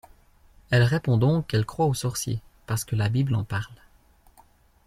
Elle répond donc qu’elle croit aux sorciers… parce que la Bible en parle.